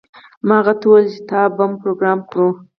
ما هغه ته وویل چې تا بم پروګرام کړی و